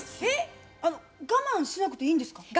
えっ我慢しなくていいんですか？